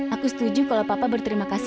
aku setuju kalau papa berterima kasih